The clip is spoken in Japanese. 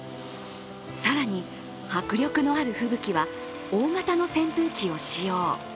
更に、迫力のある吹雪は、大型の扇風機を使用。